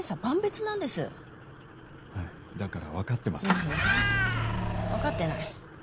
いやいやいや分かってない。